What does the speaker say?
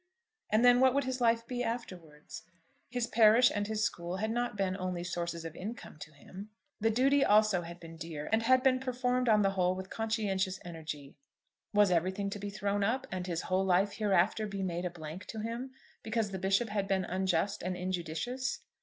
And then what would his life be afterwards? His parish and his school had not been only sources of income to him. The duty also had been dear, and had been performed on the whole with conscientious energy. Was everything to be thrown up, and his whole life hereafter be made a blank to him, because the Bishop had been unjust and injudicious?